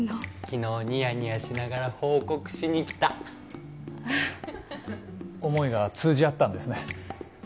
昨日ニヤニヤしながら報告しに来たあっ思いが通じ合ったんですね